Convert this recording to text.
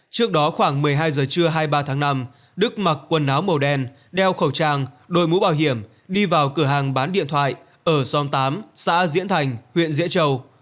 trước đó khoảng một mươi hai giờ trưa hai mươi ba tháng năm đức mặc quần áo màu đen đeo khẩu trang đôi mũ bảo hiểm đi vào cửa hàng bán điện thoại ở xóm tám xã diễn thành huyện diễn châu